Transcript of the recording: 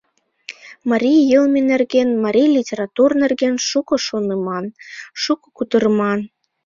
Марий йылме нерген, марий литератур нерген шуко шоныман, шуко кутырыман.